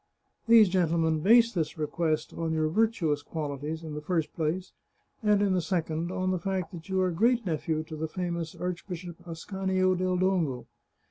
These gentlemen base this request on your virtuous qualities, in the first place, and in the second, on the fact that you are great nephew to the famous Archbishop Ascanio del Dongo.